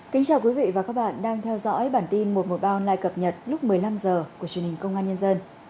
kính chào quý vị và các bạn đang theo dõi bản tin một trăm một mươi ba online cập nhật lúc một mươi năm h của truyền hình công an nhân dân